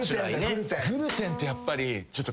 グルテンってやっぱりちょっと。